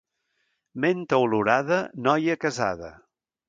Menta olorada, noia casada.